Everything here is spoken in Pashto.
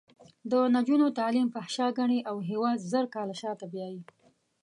د نجونو تعلیم فحشا ګڼي او هېواد زر کاله شاته بیایي.